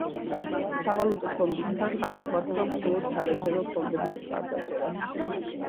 სავალუტო ფონდის თანხა მოხმარდება მხოლოდ სარეზერვო ფონდების მხარდაჭერას.